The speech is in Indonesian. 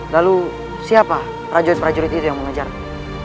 lalu siapa prajurit prajurit itu yang mengejarnya